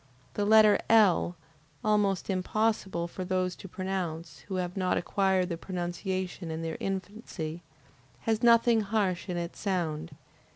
The letter L, almost impossible for those to pronounce, who have not acquired the pronunciation in their infancy, has nothing harsh in its sound.